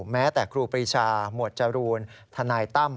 แม้แต่ครูปรีชาหมวดจรูนทนายตั้ม